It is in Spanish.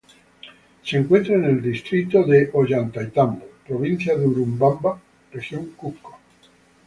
Se encuentra en el distrito de Ollantaytambo, provincia de Urubamba, región Cusco.